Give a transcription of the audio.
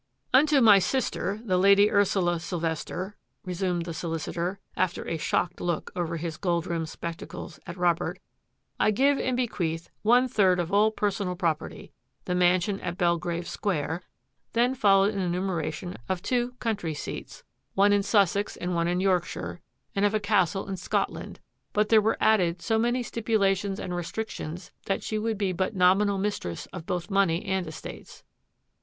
" Unto my sister, the Lady Ursula Sylvester," resumed the solicitor, after a shocked look over his gold rimmed spectacles at Robert, " I give and bequeath one third of all personal property, the mansion at Belgrave Square "— then followed an enumeration of two country seats, one in Sussex 180 THAT AFFAIR AT THE MANOR and one in Yorkshire, and of a Castle in Scotland, but there were added so many stipulations and restrictions that she would be but nominal mistress of both money and estates.